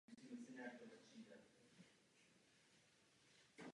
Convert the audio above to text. Intenzivnější dialog bude výhodný pro obě strany.